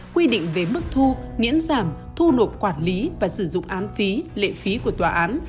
quy định về mức thu miễn giảm thu nộp quản lý và sử dụng án phí lệ phí của tòa án